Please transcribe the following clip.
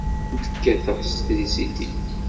Ur kent-kkateɣ s trisiti.